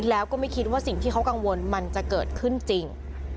แล้วก็ไม่คิดว่าสิ่งที่เขากังวลมันจะเกิดขึ้นจริง